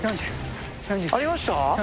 ありました？